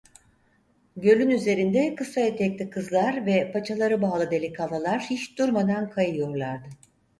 Gölün üzerinde kısa etekli kızlar ve paçaları bağlı delikanlılar hiç durmadan kayıyorlardı.